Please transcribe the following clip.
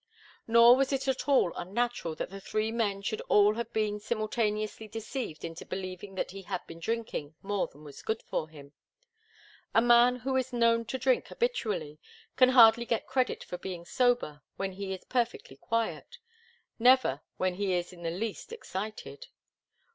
Nor was it at all unnatural that the three men should all have been simultaneously deceived into believing that he had been drinking more than was good for him. A man who is known to drink habitually can hardly get credit for being sober when he is perfectly quiet never, when he is in the least excited.